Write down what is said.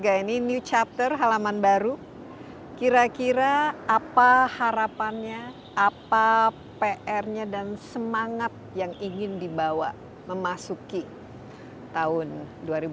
ini new chapter halaman baru kira kira apa harapannya apa pr nya dan semangat yang ingin dibawa memasuki tahun dua ribu dua puluh